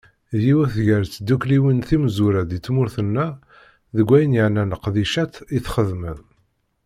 D yiwet gar tddukkliwin timezwura di tmurt-nneɣ deg wayen yeɛnan leqdicat i t-xeddem.